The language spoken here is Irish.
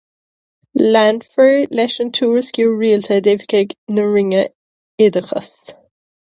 Leanfar leis an tuairisciú rialta d'oifigigh na Roinne Oideachais.